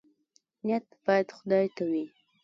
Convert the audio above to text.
نیت باید خدای ته وي